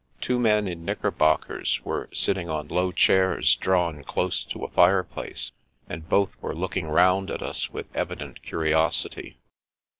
Two men in knickerbockers were sitting on low chairs drawn close to a fireplace, and both were looking round at us with evident curi osity.